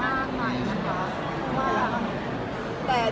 จริงทางเกาหลีก็ไม่ค่อยมาก